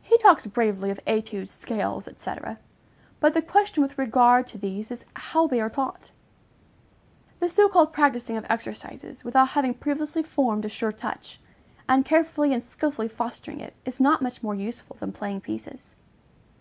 He talks bravely of études, scales, &c. but the question with regard to these is how they are taught. The so called practising of exercises, without having previously formed a sure touch, and carefully and skilfully fostering it is not much more useful than playing pieces.